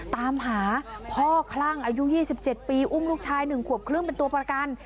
ตามหาพ่อคลั่งอายุ๒๗ปีอุ้มลูกชาย๑ขวบครึ่งเป็นตัวประกัน